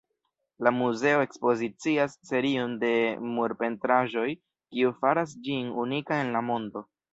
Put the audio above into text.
La muzeo ekspozicias serion de murpentraĵoj kiu faras ĝin unika en la mondo.